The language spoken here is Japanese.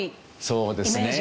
そうですね。